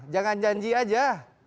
jangan janji saja